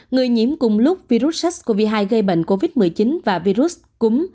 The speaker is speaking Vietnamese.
người nhiễm cùng lúc virus sars cov hai gây bệnh covid một mươi chín và virus cúm